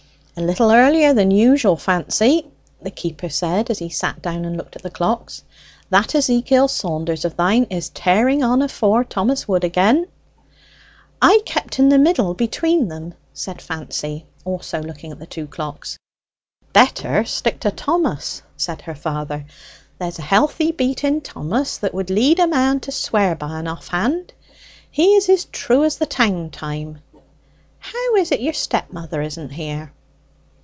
"A little earlier than usual, Fancy," the keeper said, as he sat down and looked at the clocks. "That Ezekiel Saunders o' thine is tearing on afore Thomas Wood again." "I kept in the middle between them," said Fancy, also looking at the two clocks. "Better stick to Thomas," said her father. "There's a healthy beat in Thomas that would lead a man to swear by en offhand. He is as true as the town time. How is it your stap mother isn't here?"